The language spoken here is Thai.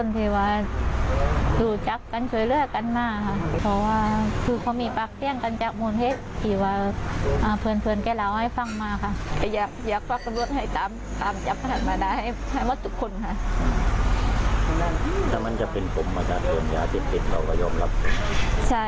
เพราะว่ามีปลากแท้งกันจากโมงเลศ